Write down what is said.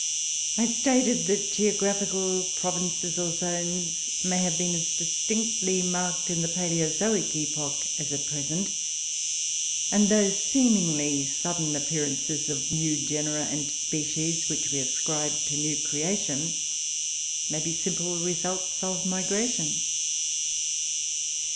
I stated that "geographical provinces, or zones, may have been as distinctly marked in the Palaeozoic epoch as at present; and those seemingly sudden appearances of new genera and species which we ascribe to new creation, may be simple results of migration."